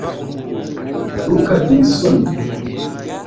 ntukagire isoni